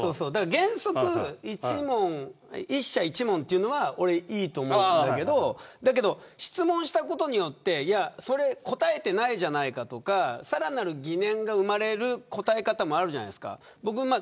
原則１社１問というのはいいと思うんだけど質問したことによってそれ答えてないじゃないかとかさらなる疑念が生まれる答え方もあるじゃないですか。